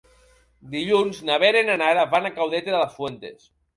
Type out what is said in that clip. Dilluns na Vera i na Nara van a Caudete de las Fuentes.